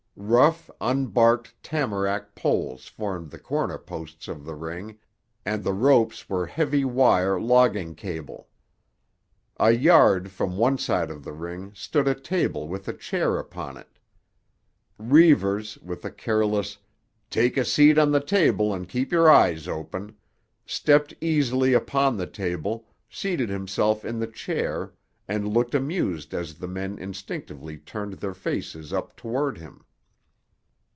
Rough, unbarked tamarack poles formed the corner posts of the ring, and the ropes were heavy wire logging cable. A yard from one side of the ring stood a table with a chair upon it. Reivers, with a careless, "Take a seat on the table and keep your eyes open," stepped easily upon the table, seated himself in the chair and looked amused as the men instinctively turned their faces up toward him.